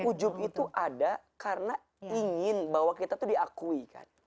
ujub itu ada karena ingin kita diakui